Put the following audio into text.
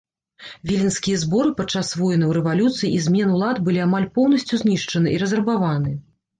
Віленскія зборы падчас войнаў, рэвалюцый і змен улад былі амаль поўнасцю знішчаны і разрабаваны.